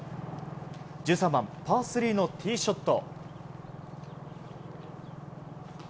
１３番、パー３のティーショット。